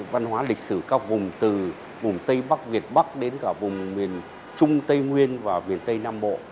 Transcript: văn hóa lịch sử các vùng từ vùng tây bắc việt bắc đến cả vùng miền trung tây nguyên và miền tây nam bộ